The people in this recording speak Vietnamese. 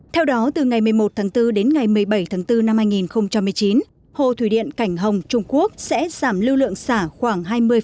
theo đó từ ngày một mươi một tháng bốn đến ngày một mươi bảy tháng bốn năm hai nghìn một mươi chín hồ thủy điện cảnh hồng trung quốc sẽ giảm lưu lượng xả khoảng